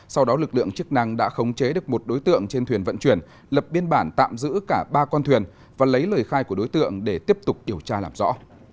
sau đó lực lượng chức năng đã khống chế được một đối tượng trên thuyền vận chuyển lập biên bản tạm giữ cả ba con thuyền và lấy lời khai của đối tượng để tiếp tục điều tra làm rõ